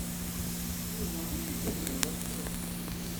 D Yuba ay tebɣiḍ ad teẓreḍ.